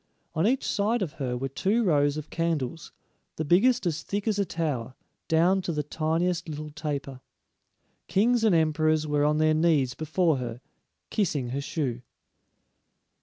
On each side of her were two rows of candles, the biggest as thick as a tower, down to the tiniest little taper. Kings and emperors were on their knees before her, kissing her shoe.